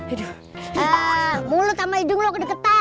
eh mulut sama hidung lo kedeketan